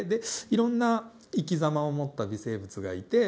いろんな生きざまを持った微生物がいて。